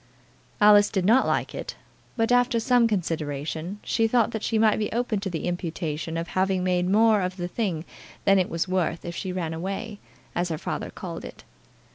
Alice did not like it, but, after some consideration, she thought that she might be open to the imputation of having made more of the thing than it was worth if she ran away, as her father called it.